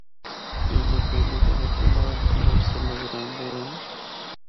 نیلے، پیلے تے رتّے لال پّھل اکثر نظریندے ہن۔